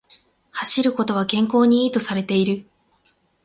走ることは健康に良いとされている